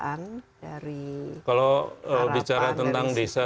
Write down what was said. harapan dari kalau bicara tentang desa